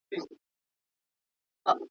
اسلام د منځنۍ لاري نظام دی.